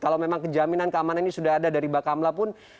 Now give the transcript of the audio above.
kalau memang kejaminan keamanan ini sudah ada dari bakamla pun